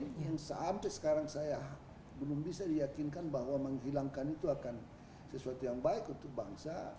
yang sampai sekarang saya belum bisa diyakinkan bahwa menghilangkan itu akan sesuatu yang baik untuk bangsa